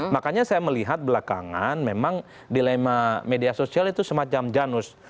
makanya saya melihat belakangan memang dilema media sosial itu semacam janus